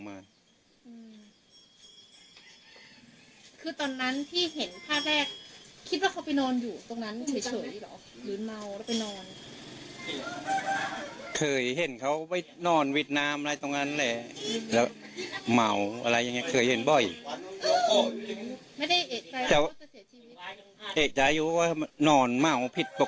อะไรเลยเจ้าเห็นเขาไปนอนวิดนามอะไรตรงนั้นแหละแล้วเมาอะไรเคยเห็นบ่อยแต่เขาเองว่านอนม่อก็ผิดปกติอะ